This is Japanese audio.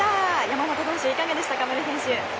山本投手いかがでしたか、宗選手。